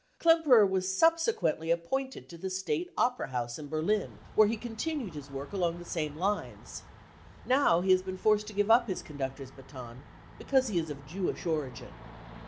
Klemperer was subsequently appointed to the State Opera House in Berlin, where he continued his work alo*g the same lines. Now he has been forced to give up his conductor's baton because he is of Jewish origin.